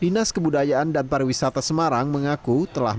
dinas kebudayaan dan pariwisata semarang mengaku telah